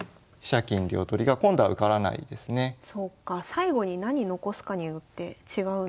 最後に何残すかによって違うんですね。